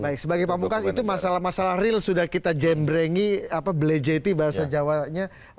baik sebagai pamungkas itu masalah masalah real sudah kita jembrengi belejeti bahasa jawanya